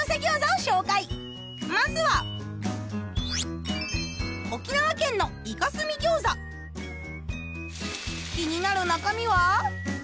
まずは気になる中身は？